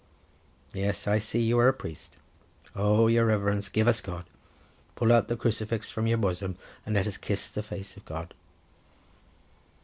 Yes, I see you are a priest. Oh, your Reverence, give us God! pull out the crucifix from your bosom, and let us kiss the face of God!"